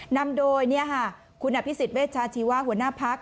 นำโดยคุณอภิษฎเวชาชีวะหัวหน้าพัก